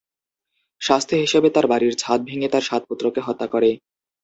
শাস্তি হিসাবে তার বাড়ির ছাদ ভেঙে তার সাত পুত্রকে হত্যা করে।